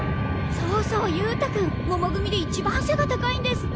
そうそう勇太君もも組で一番背が高いんですって？